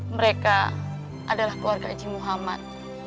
mereka adalah keluarga haji muhammad